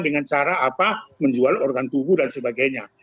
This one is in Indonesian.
dengan cara menjual organ tubuh dan sebagainya